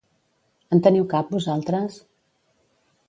En teniu cap vosaltres?